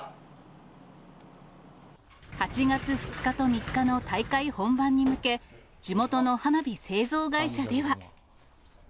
８月２日と３日の大会本番に向け、地元の花火製造会社では。